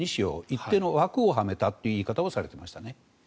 一定の枠をはめたという言い方をされていましたね。